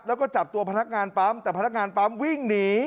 แล้วก็จับตัวพนักงานปั๊มแต่พนักงานปั๊มวิ่งหนี